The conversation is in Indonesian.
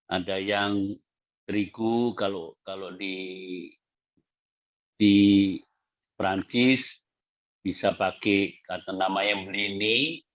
ada yang terigu kalau di perancis bisa pakai kata nama emble ini